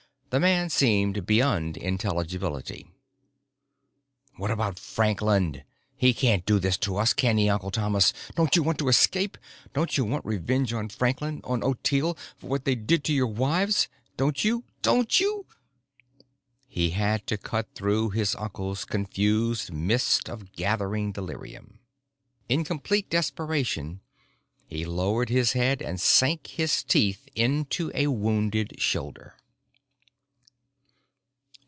The man seemed beyond intelligibility. "What about Franklin? He can't do this to us, can he, Uncle Thomas? Don't you want to escape? Don't you want revenge on Franklin, on Ottilie, for what they did to your wives? Don't you? Don't you?" He had to cut through his uncle's confused mist of gathering delirium. In complete desperation, he lowered his head and sank his teeth into a wounded shoulder.